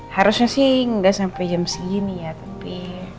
harusnya sih nggak sampai jam segini ya tapi